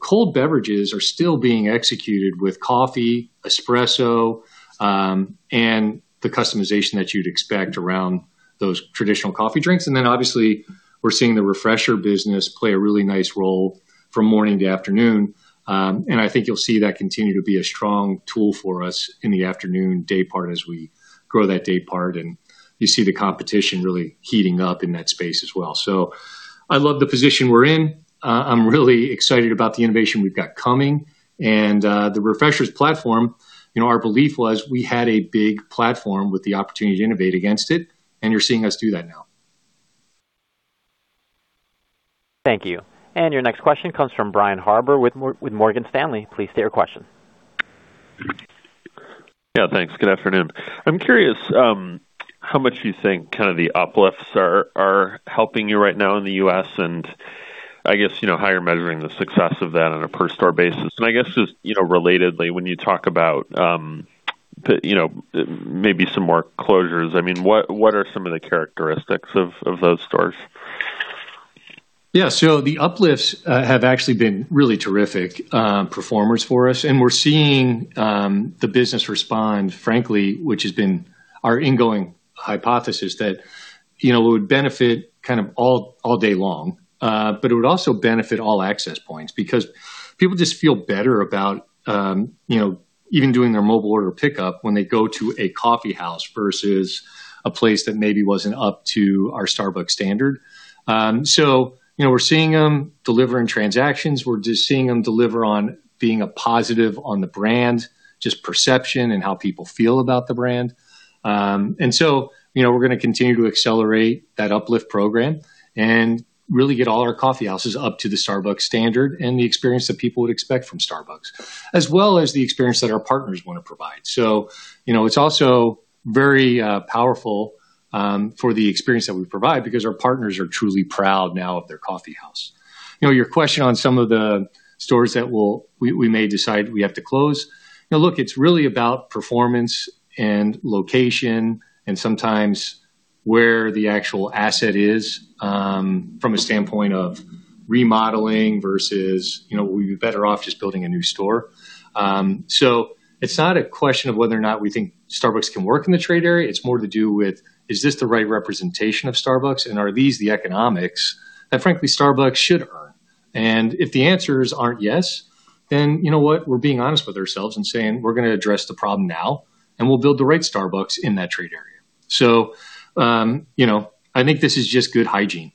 Cold beverages are still being executed with coffee, espresso, and the customization that you'd expect around those traditional coffee drinks. Obviously, we're seeing the Refresher business play a really nice role from morning to afternoon. I think you'll see that continue to be a strong tool for us in the afternoon daypart as we grow that daypart, you see the competition really heating up in that space as well. I love the position we're in. I'm really excited about the innovation we've got coming and the Refreshers platform. Our belief was we had a big platform with the opportunity to innovate against it, and you're seeing us do that now. Thank you. Your next question comes from Brian Harbour with Morgan Stanley. Please state your question. Yeah, thanks. Good afternoon. I'm curious how much you think the uplifts are helping you right now in the U.S., and how you're measuring the success of that on a per store basis. Relatedly, when you talk about maybe some more closures, what are some of the characteristics of those stores? Yeah. The uplifts have actually been really terrific performers for us. We're seeing the business respond frankly, which has been our ingoing hypothesis that it would benefit all day long. It would also benefit all access points because people just feel better about even doing their mobile order pickup when they go to a coffee house versus a place that maybe wasn't up to our Starbucks standard. We're seeing them delivering transactions. We're just seeing them deliver on being a positive on the brand, just perception and how people feel about the brand. We're going to continue to accelerate that uplift program and really get all our coffee houses up to the Starbucks standard and the experience that people would expect from Starbucks, as well as the experience that our partners want to provide. It's also very powerful for the experience that we provide because our partners are truly proud now of their coffee house. Your question on some of the stores that we may decide we have to close. Look, it's really about performance and location and sometimes where the actual asset is from a standpoint of remodeling versus we'd be better off just building a new store. It's not a question of whether or not we think Starbucks can work in the trade area. It's more to do with, is this the right representation of Starbucks and are these the economics that frankly Starbucks should earn? If the answers aren't yes, then you know what? We're being honest with ourselves and saying, "We're going to address the problem now, and we'll build the right Starbucks in that trade area." I think this is just good hygiene.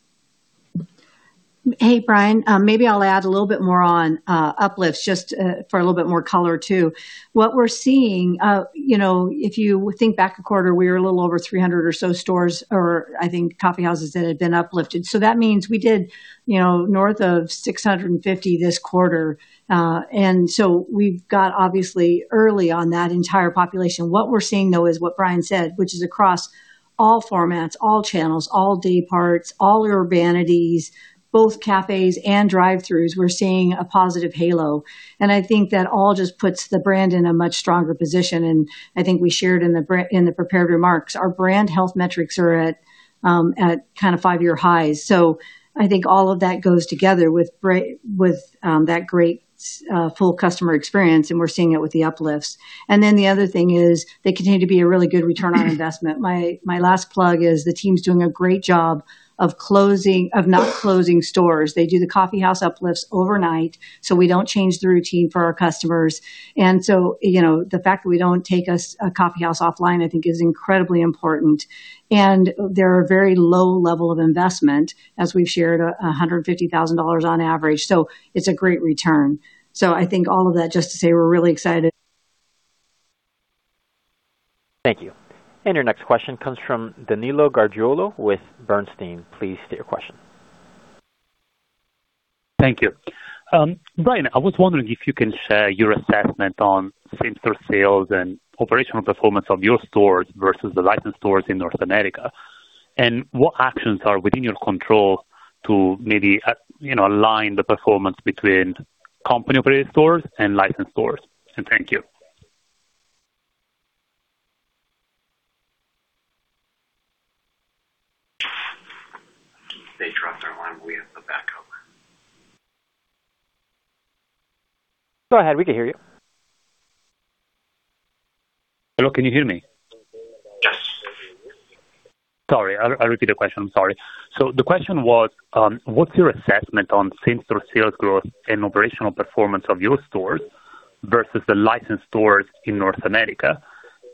Hey, Brian. Maybe I'll add a little bit more on uplifts just for a little bit more color, too. What we're seeing, if you think back a quarter, we were a little over 300 or so stores, or I think coffee houses that had been uplifted. That means we did north of 650 this quarter. We've got obviously early on that entire population. What we're seeing, though, is what Brian said, which is across all formats, all channels, all dayparts, all urbanities, both cafes and drive-throughs. We're seeing a positive halo. I think that all just puts the brand in a much stronger position. I think we shared in the prepared remarks, our brand health metrics are at five-year highs. I think all of that goes together with that great full customer experience, and we're seeing it with the uplifts. The other thing is they continue to be a really good return on investment. My last plug is the team's doing a great job of not closing stores. They do the coffee house uplifts overnight, so we don't change the routine for our customers. The fact that we don't take a coffee house offline, I think is incredibly important. They're a very low level of investment, as we've shared, $150,000 on average. It's a great return. I think all of that just to say we're really excited. Thank you. Your next question comes from Danilo Gargiulo with Bernstein. Please state your question. Thank you. Brian, I was wondering if you can share your assessment on same-store sales and operational performance of your stores versus the licensed stores in North America. What actions are within your control to maybe align the performance between company-operated stores and licensed stores. And thank you. They dropped our line. We have a back hook. Go ahead. We can hear you. Hello, can you hear me? Yes. Sorry. I'll repeat the question. I'm sorry. The question was, what's your assessment on same-store sales growth and operational performance of your stores versus the licensed stores in North America?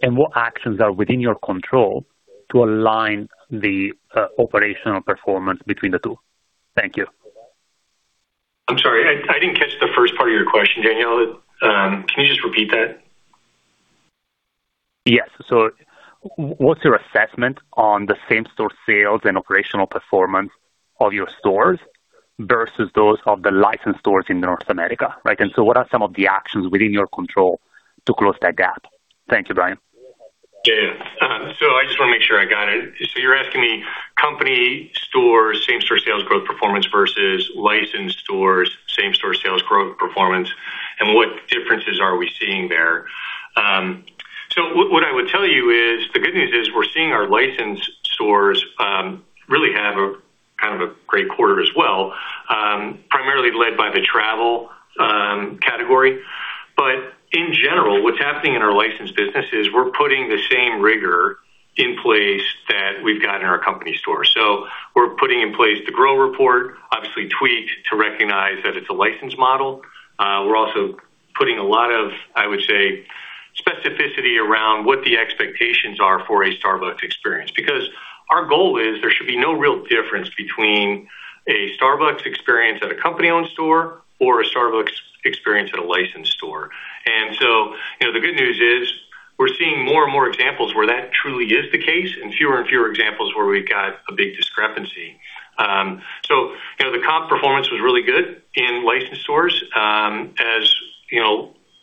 What actions are within your control to align the operational performance between the two? Thank you. I'm sorry. I didn't catch the first part of your question, Danilo. Can you just repeat that? Yes. What's your assessment on the same-store sales and operational performance of your stores versus those of the licensed stores in North America, right? What are some of the actions within your control to close that gap? Thank you, Brian. Yeah. I just want to make sure I got it. You're asking me company stores same-store sales growth performance versus licensed stores same-store sales growth performance, and what differences are we seeing there? What I would tell you is, the good news is we're seeing our licensed stores really have a kind of a great quarter as well, primarily led by the travel category. In general, what's happening in our licensed business is we're putting the same rigor in place that we've got in our company store. We're putting in place the GROW report, obviously tweaked to recognize that it's a licensed model. We're also putting a lot of, I would say, specificity around what the expectations are for a Starbucks experience. Because our goal is there should be no real difference between a Starbucks experience at a company-owned store or a Starbucks experience at a licensed store. The good news is we're seeing more and more examples where that truly is the case and fewer and fewer examples where we've got a big discrepancy. The comp performance was really good in licensed stores. As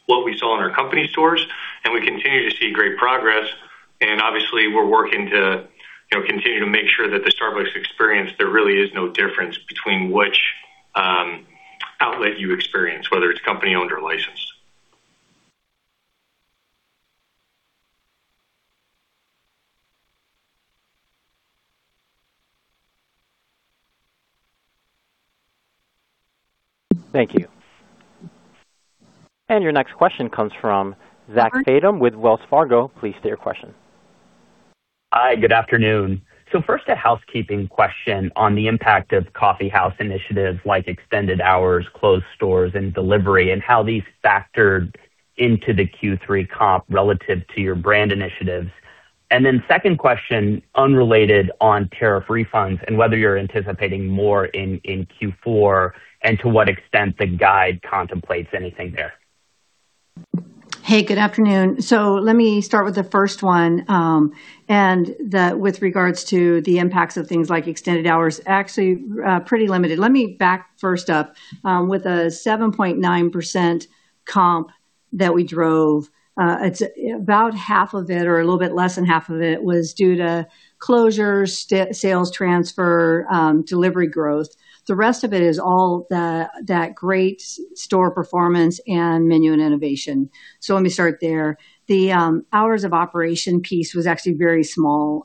what we saw in our company stores, we continue to see great progress. Obviously, we're working to continue to make sure that the Starbucks experience, there really is no difference between which outlet you experience, whether it's company-owned or licensed. Thank you. Your next question comes from Zach Fadem with Wells Fargo. Please state your question. Hi, good afternoon. First, a housekeeping question on the impact of coffee house initiatives like extended hours, closed stores, and delivery, and how these factored into the Q3 comp relative to your brand initiatives. Second question, unrelated on tariff refunds and whether you're anticipating more in Q4 and to what extent the guide contemplates anything there. Hey, good afternoon. Let me start with the first one. With regards to the impacts of things like extended hours, actually, pretty limited. Let me back first up. With a 7.9% comp that we drove, about half of it or a little bit less than half of it was due to closures, sales transfer, delivery growth. The rest of it is all that great store performance and menu and innovation. Let me start there. The hours of operation piece was actually very small,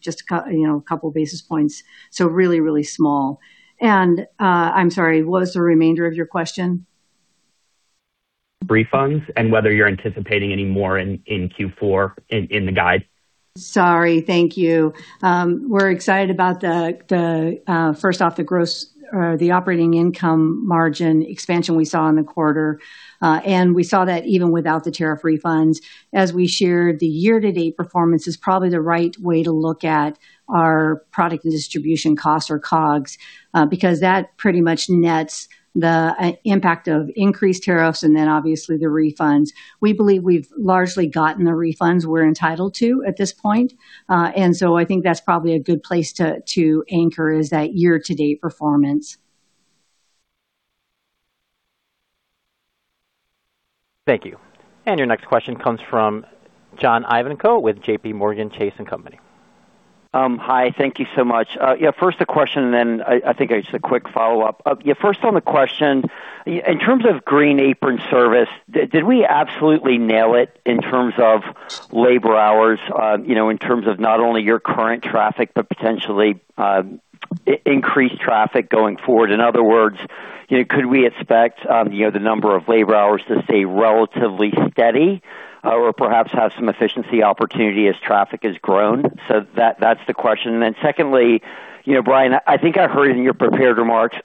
just a couple of basis points. Really, really small. I'm sorry, what was the remainder of your question? Refunds and whether you're anticipating any more in Q4 in the guide. Sorry. Thank you. We're excited about the, first off, the operating income margin expansion we saw in the quarter. We saw that even without the tariff refunds. As we shared, the year-to-date performance is probably the right way to look at our product and distribution costs or COGS. That pretty much nets the impact of increased tariffs and then obviously the refunds. We believe we've largely gotten the refunds we're entitled to at this point. I think that's probably a good place to anchor is that year-to-date performance. Thank you. Your next question comes from John Ivankoe with JPMorgan Chase & Co. Hi, thank you so much. First the question, then I think just a quick follow-up. First on the question, in terms of Green Apron Service, did we absolutely nail it in terms of labor hours, in terms of not only your current traffic, but potentially increased traffic going forward? In other words, could we expect the number of labor hours to stay relatively steady or perhaps have some efficiency opportunity as traffic has grown? That's the question. Secondly, Brian, I think I heard in your prepared remarks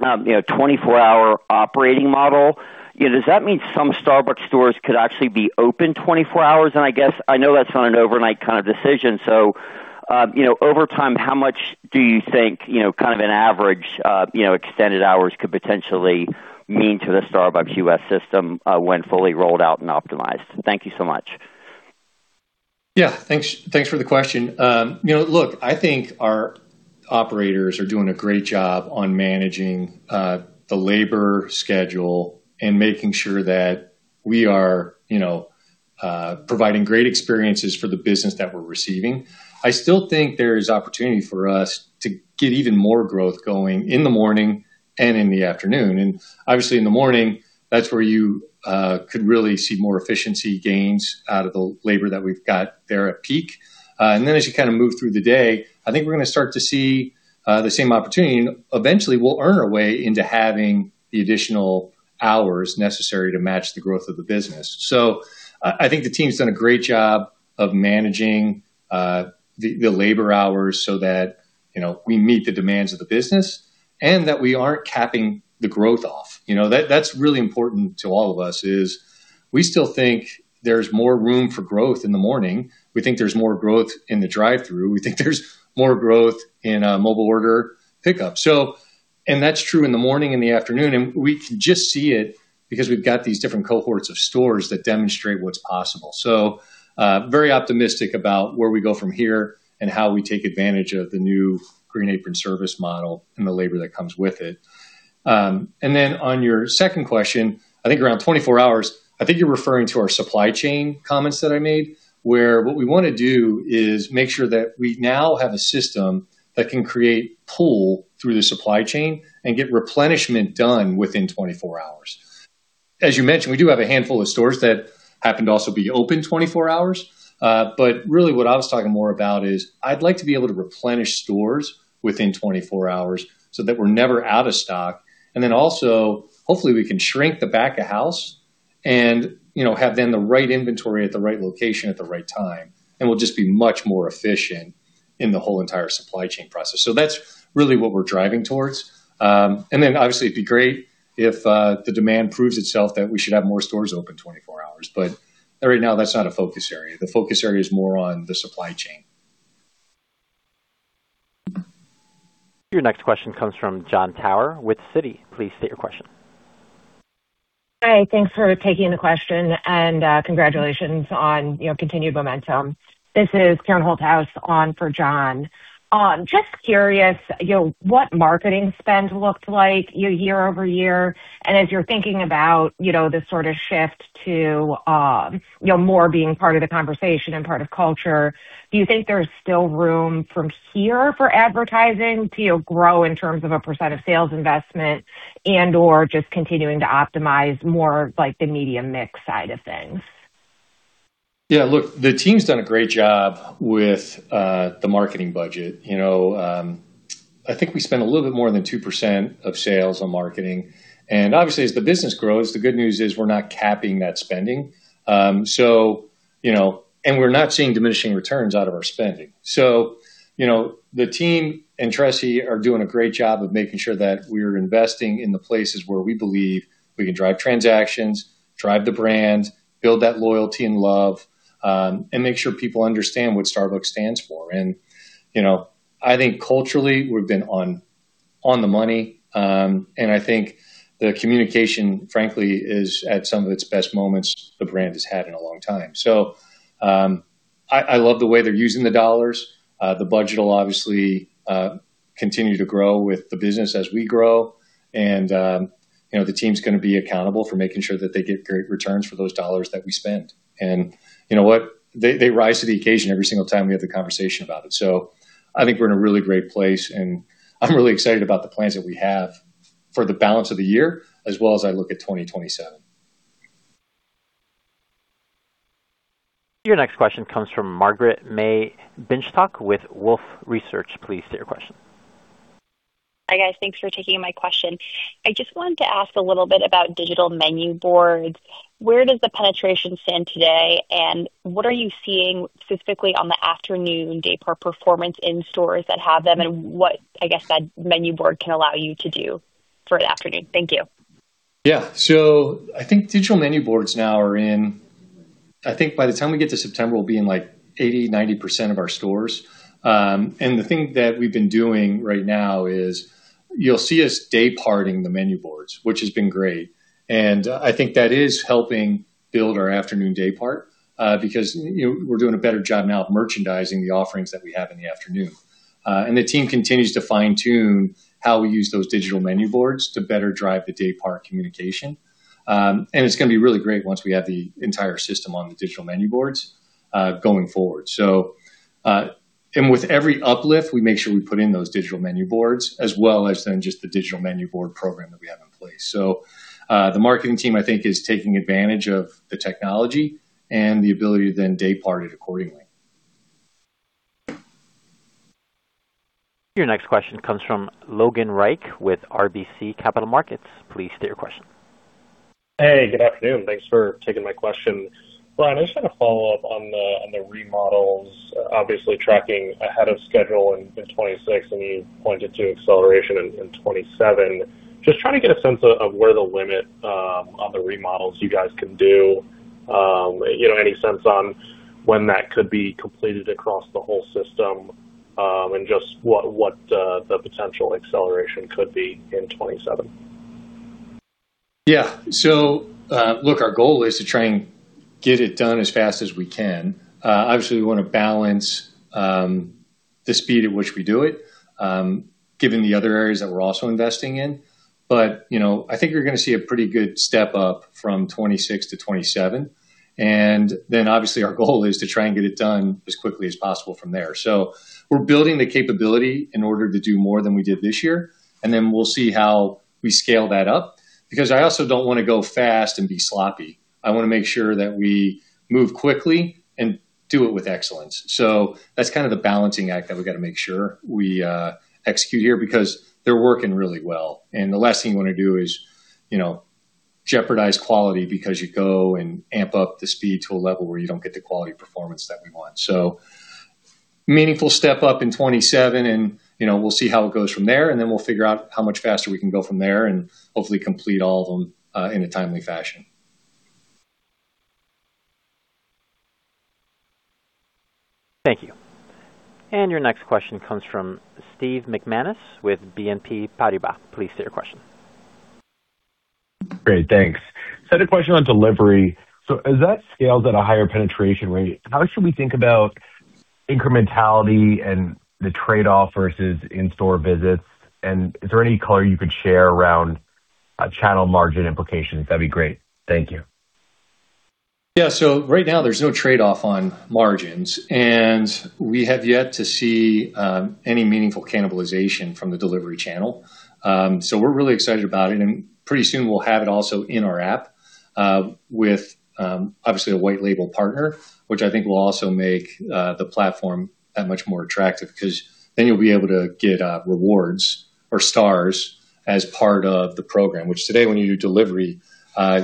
24-hour operating model. Does that mean some Starbucks stores could actually be open 24 hours? I guess I know that's not an overnight kind of decision. Over time, how much do you think, kind of an average extended hours could potentially mean to the Starbucks U.S. system when fully rolled out and optimized? Thank you so much. Thanks for the question. Look, I think our operators are doing a great job on managing the labor schedule and making sure that we are providing great experiences for the business that we're receiving. I still think there is opportunity for us to get even more growth going in the morning and in the afternoon. Obviously in the morning, that's where you could really see more efficiency gains out of the labor that we've got there at peak. As you kind of move through the day, I think we're going to start to see the same opportunity and eventually we'll earn our way into having the additional hours necessary to match the growth of the business. I think the team's done a great job of managing the labor hours so that we meet the demands of the business and that we aren't capping the growth off. That's really important to all of us is we still think there's more room for growth in the morning. We think there's more growth in the drive-thru. We think there's more growth in mobile order pickup. That's true in the morning and the afternoon, and we can just see it because we've got these different cohorts of stores that demonstrate what's possible. Very optimistic about where we go from here and how we take advantage of the new Green Apron Service model and the labor that comes with it. On your second question, I think around 24 hours, I think you're referring to our supply chain comments that I made, where what we want to do is make sure that we now have a system that can create pull through the supply chain and get replenishment done within 24 hours. As you mentioned, we do have a handful of stores that happen to also be open 24 hours. Really what I was talking more about is I'd like to be able to replenish stores within 24 hours so that we're never out of stock. Also, hopefully we can shrink the back of house and have then the right inventory at the right location at the right time. We'll just be much more efficient in the whole entire supply chain process. That's really what we're driving towards. Obviously, it'd be great if the demand proves itself that we should have more stores open 24 hours. Right now, that's not a focus area. The focus area is more on the supply chain. Your next question comes from Jon Tower with Citi. Please state your question. Hi, thanks for taking the question and congratulations on continued momentum. This is Karen Holthouse on for Jon. Just curious, what marketing spend looked like year-over-year, and as you're thinking about this sort of shift to more being part of the conversation and part of culture, do you think there's still room from here for advertising to grow in terms of a % of sales investment and/or just continuing to optimize more like the media mix side of things? Yeah, look, the team's done a great job with the marketing budget. I think we spend a little bit more than 2% of sales on marketing. Obviously, as the business grows, the good news is we're not capping that spending. We're not seeing diminishing returns out of our spending. The team and Tressie are doing a great job of making sure that we're investing in the places where we believe we can drive transactions, drive the brand, build that loyalty and love, and make sure people understand what Starbucks stands for. I think culturally, we've been on the money. I think the communication, frankly, is at some of its best moments the brand has had in a long time. I love the way they're using the dollars. The budget will obviously continue to grow with the business as we grow. The team's going to be accountable for making sure that they get great returns for those dollars that we spend. You know what? They rise to the occasion every single time we have the conversation about it. I think we're in a really great place, and I'm really excited about the plans that we have for the balance of the year, as well as I look at 2027. Your next question comes from Margaret May Binshtok with Wolfe Research. Please state your question. Hi, guys. Thanks for taking my question. I just wanted to ask a little bit about digital menu boards. Where does the penetration stand today, and what are you seeing specifically on the afternoon day-part performance in stores that have them, and what I guess that menu board can allow you to do for an afternoon? Thank you. Yeah. I think digital menu boards now are in I think by the time we get to September, we'll be in like 80%-90% of our stores. The thing that we've been doing right now is you'll see us day-parting the menu boards, which has been great. I think that is helping build our afternoon day part, because we're doing a better job now of merchandising the offerings that we have in the afternoon. The team continues to fine-tune how we use those digital menu boards to better drive the day-part communication. It's going to be really great once we have the entire system on the digital menu boards, going forward. With every uplift, we make sure we put in those digital menu boards as well as then just the digital menu board program that we have in place. The marketing team, I think, is taking advantage of the technology and the ability to then day-part it accordingly. Your next question comes from Logan Reich with RBC Capital Markets. Please state your question. Hey, good afternoon. Thanks for taking my question. Brian, I just want to follow up on the remodels, obviously tracking ahead of schedule in 2026, and you pointed to acceleration in 2027. Just trying to get a sense of where the limit on the remodels you guys can do. Any sense on when that could be completed across the whole system? Just what the potential acceleration could be in 2027. Yeah. Look, our goal is to try and get it done as fast as we can. Obviously, we want to balance the speed at which we do it, given the other areas that we're also investing in. I think you're going to see a pretty good step-up from 2026 to 2027. Then obviously, our goal is to try and get it done as quickly as possible from there. We're building the capability in order to do more than we did this year, and then we'll see how we scale that up. I also don't want to go fast and be sloppy. I want to make sure that we move quickly and do it with excellence. That's kind of the balancing act that we've got to make sure we execute here because they're working really well. The last thing you want to do is jeopardize quality because you go and amp up the speed to a level where you don't get the quality performance that we want. Meaningful step up in 2027, and we'll see how it goes from there, and then we'll figure out how much faster we can go from there and hopefully complete all of them in a timely fashion. Thank you. Your next question comes from Steve McManus with BNP Paribas. Please state your question. Great. Thanks. I had a question on delivery. As that scales at a higher penetration rate, how should we think about incrementality and the trade-off versus in-store visits? Is there any color you could share around channel margin implications? That'd be great. Thank you. Right now there's no trade-off on margins, and we have yet to see any meaningful cannibalization from the delivery channel. We're really excited about it, and pretty soon we'll have it also in our app, with obviously a white label partner, which I think will also make the platform that much more attractive because then you'll be able to get rewards or Stars as part of the program. Which today when you do delivery,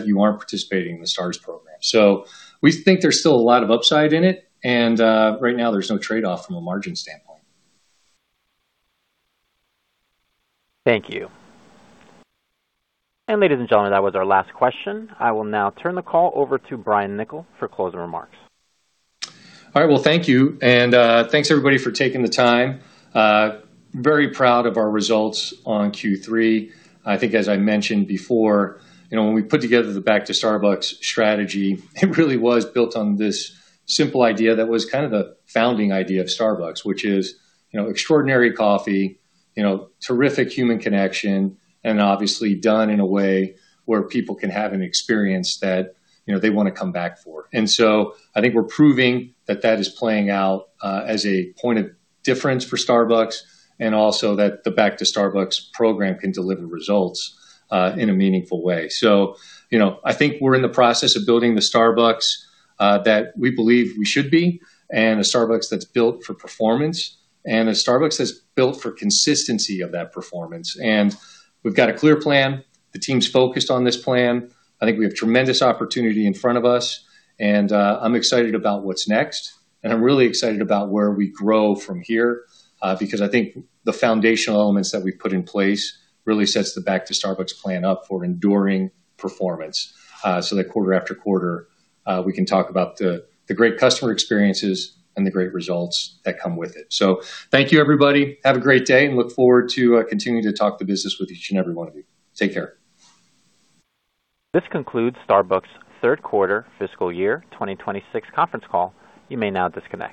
you aren't participating in the Stars program. We think there's still a lot of upside in it. Right now, there's no trade-off from a margin standpoint. Thank you. Ladies and gentlemen, that was our last question. I will now turn the call over to Brian Niccol for closing remarks. Thank you. Thanks everybody for taking the time. Very proud of our results on Q3. I think as I mentioned before, when we put together the Back to Starbucks strategy, it really was built on this simple idea that was kind of the founding idea of Starbucks, which is extraordinary coffee, terrific human connection, and obviously done in a way where people can have an experience that they want to come back for. I think we're proving that that is playing out as a point of difference for Starbucks and also that the Back to Starbucks program can deliver results in a meaningful way. I think we're in the process of building the Starbucks that we believe we should be and a Starbucks that's built for performance and a Starbucks that's built for consistency of that performance. We've got a clear plan. The team's focused on this plan. I think we have tremendous opportunity in front of us, and I'm excited about what's next. I'm really excited about where we grow from here because I think the foundational elements that we've put in place really sets the Back to Starbucks plan up for enduring performance. That quarter after quarter, we can talk about the great customer experiences and the great results that come with it. Thank you, everybody. Have a great day, and look forward to continuing to talk the business with each and every one of you. Take care. This concludes Starbucks' third quarter fiscal year 2026 conference call. You may now disconnect.